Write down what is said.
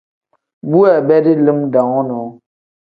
Bu weebedi lim dam wonoo.